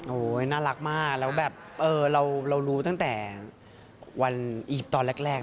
น่ารักมากแล้วแบบเรารู้ตั้งแต่วันอียิปต์ตอนแรก